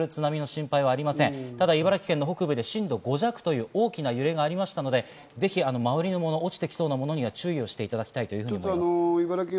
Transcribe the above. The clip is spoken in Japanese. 茨城県北部で震度５弱という大きな揺れがありましたので、周りのもの、落ちてきそうなものには注意してください。